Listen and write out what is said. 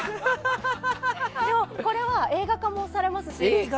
これは映画化もされますし。